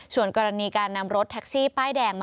ส่วนกรณีการนำรถแท็กซี่ป้ายแดง